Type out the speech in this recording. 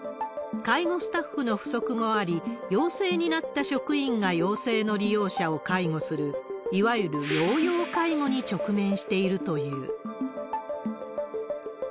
介護スタッフの不足もあり、陽性になった職員が陽性の利用者を介護する、いわゆる陽陽介護に直面しているという。